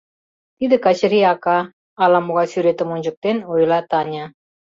— Тиде Качырий ака, — ала-могай сӱретым ончыктен, ойла Таня.